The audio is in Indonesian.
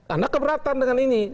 anda keberatan dengan ini